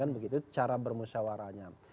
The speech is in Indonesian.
begitu cara bermusyawaranya